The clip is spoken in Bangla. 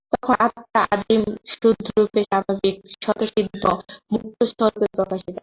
তখন আত্মা আদিম শুদ্ধরূপে, স্বাভাবিক স্বতঃসিদ্ধ মুক্তস্বরূপে প্রকাশিত হন।